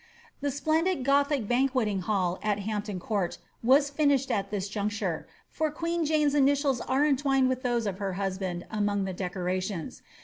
The splendid gotliic banqueting hall at Hampton Court was finished at this juncture, for queen Jane's initials are entwined with those of hei husband among the decorations.